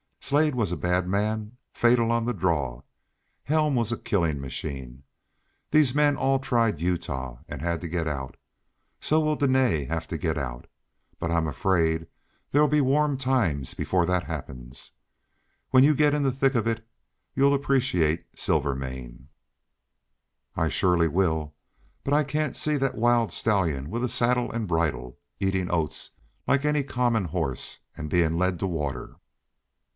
Slade was a bad man, fatal on the draw. Helm was a killing machine. These men all tried Utah, and had to get out. So will Dene have to get out. But I'm afraid there'll be warm times before that happens. When you get in the thick of it you'll appreciate Silvermane." "I surely will. But I can't see that wild stallion with a saddle and a bridle, eating oats like any common horse, and being led to water."